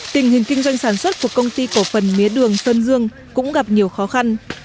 tình hình kinh doanh sản xuất của công ty cổ phần mía đường sơn dương cũng gặp nhiều khó khăn